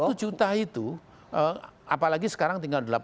satu juta itu apalagi sekarang tinggal delapan ratus ribu lebih